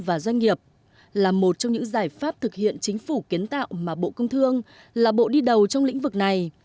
và doanh nghiệp là một trong những giải pháp thực hiện chính phủ kiến tạo mà bộ công thương là bộ đi đầu trong lĩnh vực này